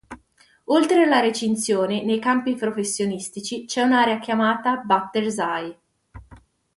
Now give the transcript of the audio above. Oltre la recinzione, nei campi professionistici, c'è un'area chiamata batter's eye.